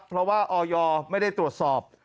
เพราะว่าออยไม่ได้ตรวจสอบ